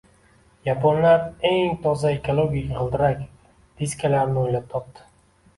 Yaponlar eng toza ekologik g‘ildirak diskalarini o‘ylab topdi